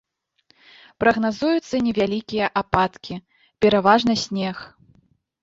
Прагназуюцца невялікія ападкі, пераважна снег.